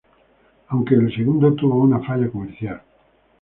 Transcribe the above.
Aunque el segundo tuvo una falla comercial.